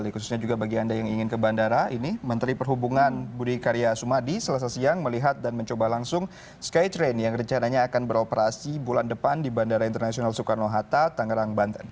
khususnya juga bagi anda yang ingin ke bandara ini menteri perhubungan budi karya sumadi selesai siang melihat dan mencoba langsung skytrain yang rencananya akan beroperasi bulan depan di bandara internasional soekarno hatta tangerang banten